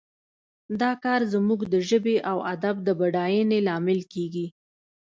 دا کار زموږ د ژبې او ادب د بډاینې لامل کیږي